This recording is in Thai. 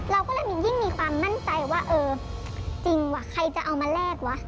เราก็เลยยิ่งมีความมั่นใจว่าเออจริงว่ะใครจะเอามาแลกวะ